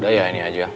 udah ya ini aja